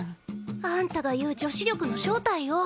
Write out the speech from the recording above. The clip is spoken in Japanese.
あんたが言う女子力の正体よ。